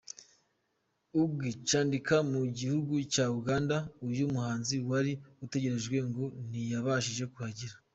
ug cyandikira mu gihugu cya Uganda, uyu muhanzi wari utegerejwe ngo ntiyabashije kuhagera.